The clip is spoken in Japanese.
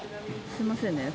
すいません